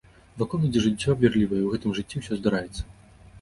Вакол ідзе жыццё вірлівае, і ў гэтым жыцці ўсё здараецца.